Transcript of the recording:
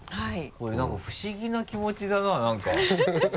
これ何か不思議な気持ちだな何かハハハ